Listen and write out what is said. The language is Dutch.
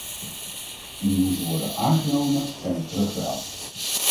Indien ze worden aangenomen, zijn we terug bij af.